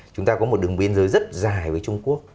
chúng ta có một đường biên giới rất dài với trung quốc